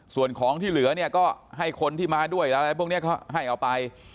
ส่วนของที่เหลือเนี่ยก็ให้คนที่มาด้วยอะไรพวกนี้เขาให้เอาไป